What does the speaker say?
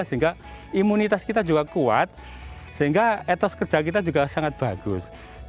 sehingga imunitas kita juga kuat sehingga etos kerja kita juga sangat bagus